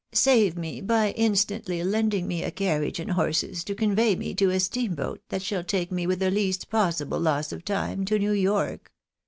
Save me by instantly lending me a carriage and horses to convey me to a steamboat that shall take me with the least possible loss of time to New York.